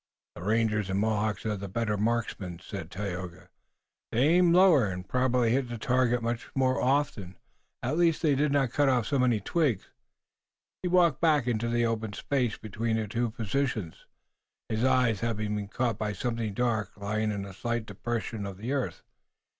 "The rangers and Mohawks are the better marksmen," said Tayoga. "They aimed lower and probably hit the target much oftener. At least they did not cut off so many twigs." He walked back into the open space between the two positions, his eye having been caught by something dark lying in a slight depression of the earth.